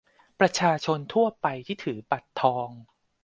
ประชาชนทั่วไปที่ถือบัตรทอง